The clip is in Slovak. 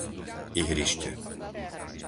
Ihrište